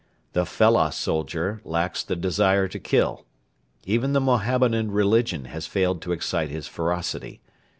The fellah soldier lacks the desire to kill. Even the Mohammedan religion has failed to excite his ferocity.